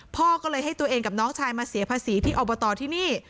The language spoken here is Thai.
พ่อก็เลยให้ตัวเองกับน้องชายมาเสียภาษีที่อบตที่นี่